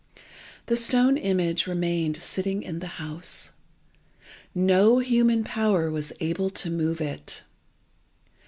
The stone image remained sitting in the house. No human power was able to move it.